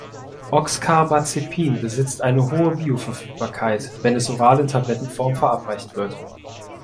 Oxcarbazepin besitzt eine hohe Bioverfügbarkeit, wenn es oral in Tablettenform verabreicht wird.